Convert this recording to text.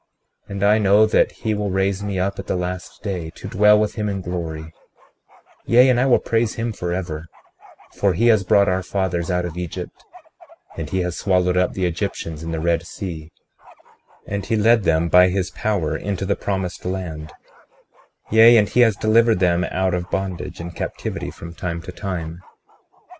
36:28 And I know that he will raise me up at the last day, to dwell with him in glory; yea, and I will praise him forever, for he has brought our fathers out of Egypt, and he has swallowed up the Egyptians in the Red Sea; and he led them by his power into the promised land; yea, and he has delivered them out of bondage and captivity from time to time.